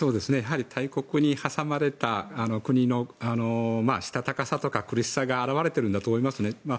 やはり大国に挟まれた国のしたたかさとか苦しさが表れているんだと思いますね。